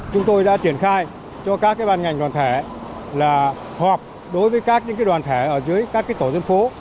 chúng tôi đã triển khai cho các ban ngành đoàn thể là họp đối với các đoàn thể ở dưới các tổ dân phố